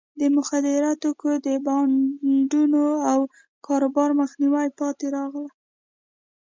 د مخدره توکو د بانډونو او کاروبار مخنیوي پاتې راغلی.